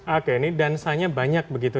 oke ini dansanya banyak begitu